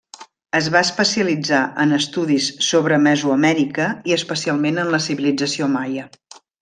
Es va especialitzar en estudis sobre Mesoamèrica i especialment en la civilització maia.